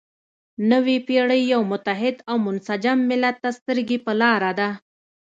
نوې پېړۍ یو متحد او منسجم ملت ته سترګې په لاره ده.